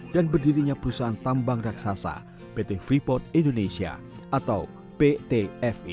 dan berdirinya perusahaan tambang raksasa pt freeport indonesia atau ptfe